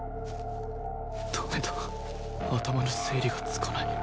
駄目だ頭の整理がつかない